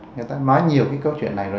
người ta nói nhiều cái câu chuyện này rồi